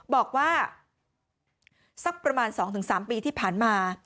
บอกว่าสักประมาณสองถึงสามปีที่ผ่านมา